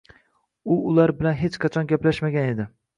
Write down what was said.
U ular bilan hech qachon gaplashmagan edi